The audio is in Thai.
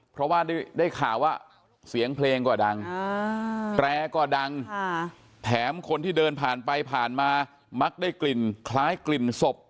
เพราะว่าได้ข่าวว่าเสียงเพลงก็ดังแตรก็ดังแถมคนที่เดินผ่านไปผ่านมามักได้กลิ่นคล้ายกลิ่นศพ